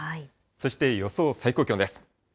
そして予想最高気温です。